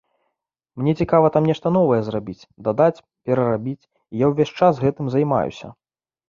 Мне цікава там нешта новае зрабіць, дадаць, перарабіць, і я ўвесь час гэтым займаюся.